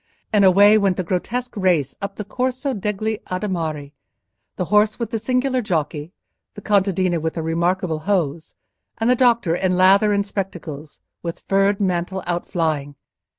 And away went the grotesque race up the Corso degli Adimari—the horse with the singular jockey, the contadina with the remarkable hose, and the doctor in lather and spectacles, with furred mantle outflying.